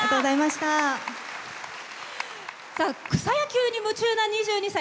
草野球に夢中な２２歳。